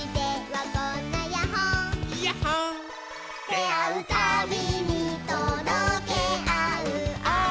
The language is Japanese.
「であうたびにとどけあうアイコトバ」